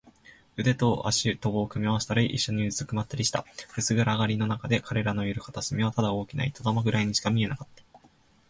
腕と脚とを組み合わせたり、いっしょにうずくまったりした。薄暗がりのなかで、彼らのいる片隅はただ大きな糸玉ぐらいにしか見えなかった。